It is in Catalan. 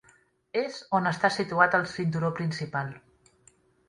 És on està situat el cinturó principal.